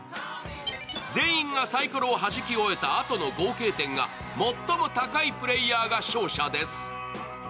全員がさいころをはじき終えたあとの合計点が最も高いプレーヤーが勝者です。